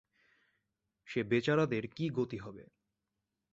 সে বেচারাদের কী গতি হবে?